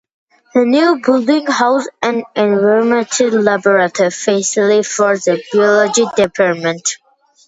The new building housed an environmental laboratory facility for the Biology Department.